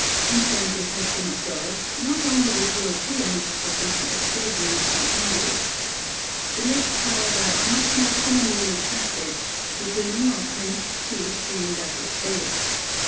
Instances have been observed, not only with Europeans, but with the Australians and Hindoos. The lips, however, are much more commonly retracted, the grinning or clenched teeth being thus exposed.